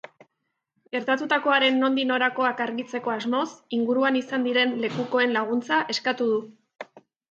Gertatutakoaren nondik norakoak argitzeko asmoz, inguruan izan diren lekukoen laguntza eskatu du.